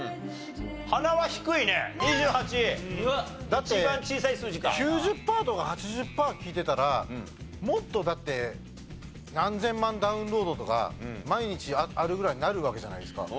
だって９０パーとか８０パー聴いてたらもっとだって何千万ダウンロードとか毎日あるぐらいになるわけじゃないですか。